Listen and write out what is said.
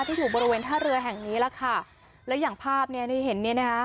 ที่อยู่บริเวณท่าเรือแห่งนี้แหละค่ะแล้วอย่างภาพเนี้ยที่เห็นเนี่ยนะคะ